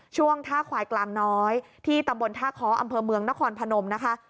ช่วงท่าควายกลางน้อยที่ตำบลท่าค้ออำเภอเมืองนครพนมนะคะ